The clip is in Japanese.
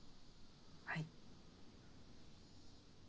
はい。